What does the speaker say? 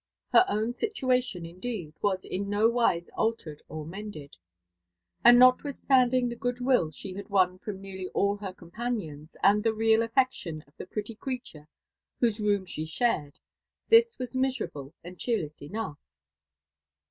Her own situation, indeed, was in nowise altered <Mr mended ; and notwithstanding the good will ihe bad won from neatly all her companions, and the real affection of the pretty creature whose room she shared, this was miserable and dieer less enough.